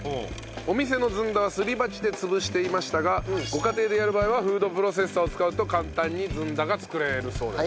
お店のずんだはすり鉢で潰していましたがご家庭でやる場合はフードプロセッサーを使うと簡単にずんだが作れるそうです。